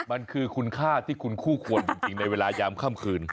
มันคือคุณค่าที่คุณคู่ควรจริงในเวลายามค่ำคืน